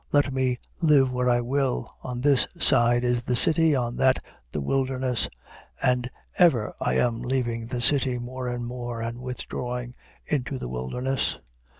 Let me live where I will, on this side is the city, on that the wilderness, and ever I am leaving the city more and more, and withdrawing into the wilderness.